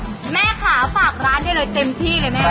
แม่ค่ะฝากร้านได้เลยเต็มที่เลยแม่